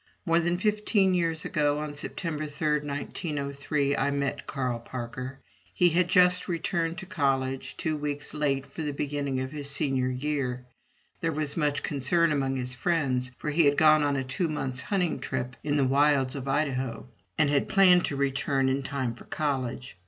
More than fifteen years ago, on September 3, 1903, I met Carl Parker. He had just returned to college, two weeks late for the beginning of his Senior year. There was much concern among his friends, for he had gone on a two months' hunting trip into the wilds of Idaho, and had planned to return in time for college.